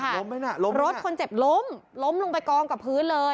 ล้มไหมน่ะล้มรถคนเจ็บล้มล้มลงไปกองกับพื้นเลย